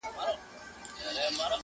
اختر په وینو -